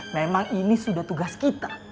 memang ini sudah tugas kita